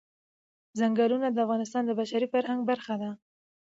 ځنګلونه د افغانستان د بشري فرهنګ برخه ده.